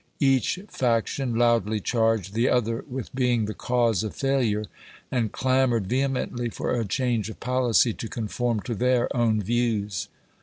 Each faction loudly charged the other with being the cause of failure, and clamored vehe mently for a change of policy to conform to their own views.